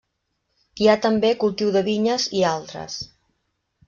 Hi ha també cultiu de vinyes i altres.